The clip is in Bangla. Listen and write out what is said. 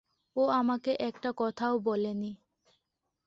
ও আমাকে একটা কথাও বলেনি।